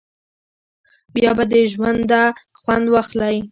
بیا به د ژونده خوند واخلی.